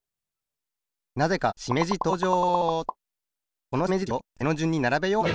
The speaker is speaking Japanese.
なぜかしめじとうじょう！